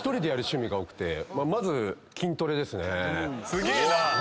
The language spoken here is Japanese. すげえな。